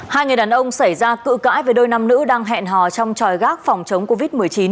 hai người đàn ông xảy ra cự cãi với đôi nam nữ đang hẹn hò trong tròi gác phòng chống covid một mươi chín